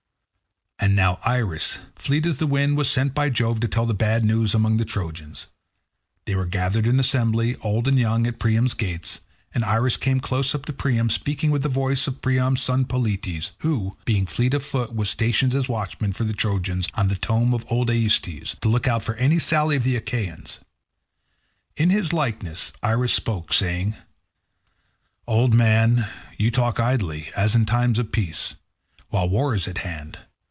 And now Iris, fleet as the wind, was sent by Jove to tell the bad news among the Trojans. They were gathered in assembly, old and young, at Priam's gates, and Iris came close up to Priam, speaking with the voice of Priam's son Polites, who, being fleet of foot, was stationed as watchman for the Trojans on the tomb of old Aesyetes, to look out for any sally of the Achaeans. In his likeness Iris spoke, saying, "Old man, you talk idly, as in time of peace, while war is at hand.